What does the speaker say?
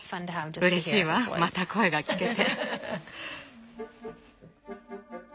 うれしいわまた声が聞けて。